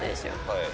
はい。